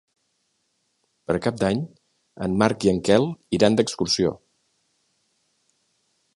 Per Cap d'Any en Marc i en Quel iran d'excursió.